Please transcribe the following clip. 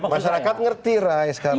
masyarakat ngerti rai sekarang